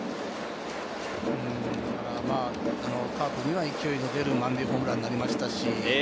カープには勢いの出る、満塁ホームランになりました。